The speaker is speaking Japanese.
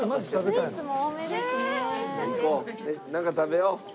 なんか食べよう。